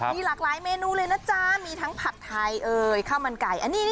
มีหลากหลายเมนูเลยนะจ๊ะมีทั้งผัดไทยเอ่ยข้าวมันไก่